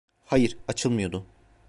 Hayır, açılmıyordu.